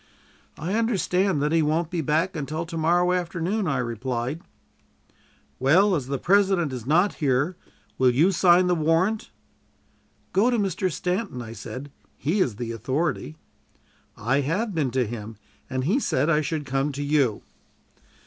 "I understand that he won't be back until to morrow afternoon," I replied. "Well, as the President is not here, will you sign the warrant?" "Go to Mr. Stanton," I said; "he is the authority." "I have been to him, and he said I should come to you."